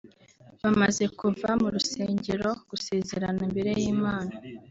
Bamaze kuva mu rusengero gusezerana imbere y’Imana